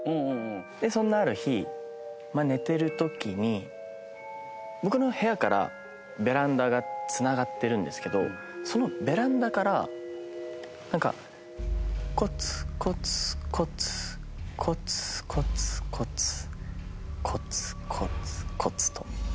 そんなある日寝てる時に僕の部屋からベランダが繋がってるんですけどそのベランダからコツコツコツコツコツコツコツコツコツと。